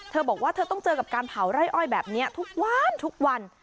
เธอบอกว่าเธอต้องเจอกับการเผาไร่อ้อยแบบนี้ทุกวันทุกวัน